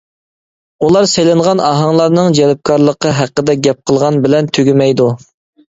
ئۇلار سېلىنغان ئاھاڭلارنىڭ جەلپكارلىقى ھەققىدە گەپ قىلغان بىلەن تۈگىمەيدۇ.